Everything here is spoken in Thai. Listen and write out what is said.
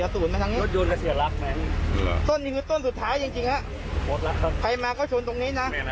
ต้นนี้คือต้นสุดท้ายจริงฮะใครมาก็ชนตรงนี้นะ